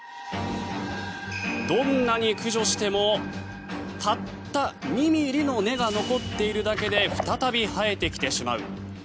どんなに駆除してもたった２ｍｍの根が残っているだけで再び生えてきてしまう。